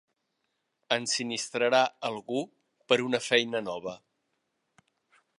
Ensinistrarà algú per a una feina nova.